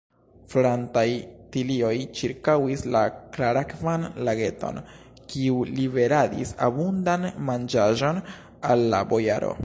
Florantaj tilioj ĉirkaŭis la klarakvan lageton, kiu liveradis abundan manĝaĵon al la bojaro.